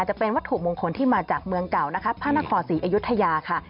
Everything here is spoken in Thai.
จะเป็นวัตถุมงคลที่มาจากเมืองเก่านะคะพระนครศรีอยุธยาค่ะ